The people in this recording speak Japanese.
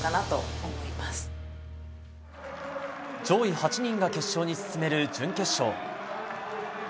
上位８人が決勝に進める準決勝。